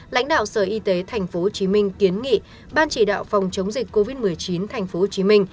lãnh đạo sở y tế tp hcm kiến nghị ban chỉ đạo phòng chống dịch covid một mươi chín tp hcm